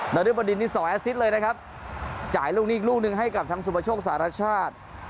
เราได้บรรดินที่เลยนะครับจ่ายลูกนี้อีกลูกหนึ่งให้กับทั้งสุบชกสหรัฐชาติ